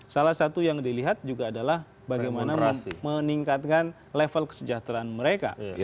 salah satu yang dilihat juga adalah bagaimana meningkatkan level kesejahteraan mereka